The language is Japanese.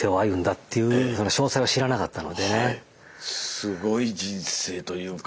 すごい人生というか。